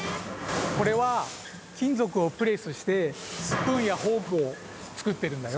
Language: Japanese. これはきんぞくをプレスしてスプーンやフォークをつくってるんだよ。